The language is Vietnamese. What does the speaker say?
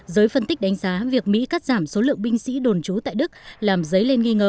giới phân tích đánh giá việc mỹ cắt giảm số lượng binh sĩ đồn trú tại đức làm dấy lên nghi ngờ